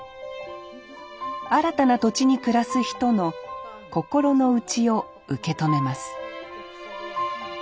新たな土地に暮らす人の心の内を受け止めます